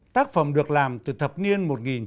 tác phẩm được làm từ thập niên một nghìn chín trăm bảy mươi